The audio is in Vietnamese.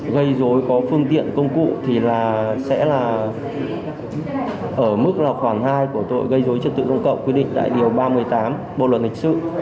gây rối có phương tiện công cụ thì sẽ là ở mức là khoảng hai của tội gây rối trật tự công cộng quy định tại điều ba mươi tám bộ luật hịch sự